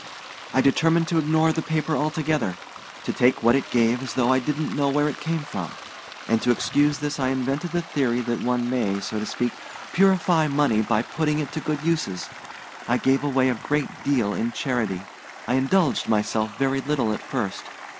I determined to ignore the paper altogether to take what it gave as though I didn't know where it came from. And to excuse this I invented the theory that one may, so to speak, purify money by putting it to good uses. I gave away a great deal in charity I indulged myself very little at first.